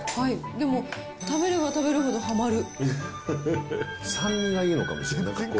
でも、食べれば食べるほどはまる酸味がいいのかもしれない。